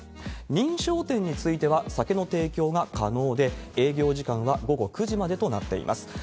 認証店については、酒の提供が可能で、営業時間は午後９時までとなっています。